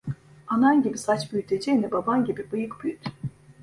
Anan gibi saç büyüteceğine, baban gibi bıyık büyüt.